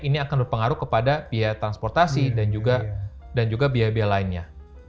ini akan berpengaruh kepada biaya transportasi dan juga biaya biaya lainnya